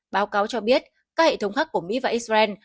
báo cáo cho biết các hệ thống khác của mỹ và israel